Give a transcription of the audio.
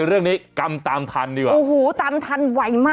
เรื่องนี้จบแล้ว